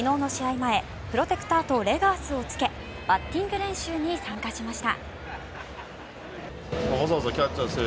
前プロテクターとレガースを着けバッティング練習に参加しました。